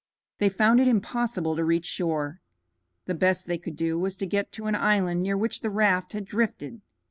They found it impossible to reach shore. The best they could do was to get to an island near which the raft had drifted.